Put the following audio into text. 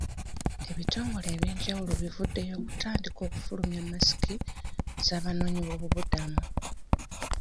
Ebitongole eby'enjawulo bivuddeyo okutandika okufulumya masiki z'abanoonyi b'obubudamu.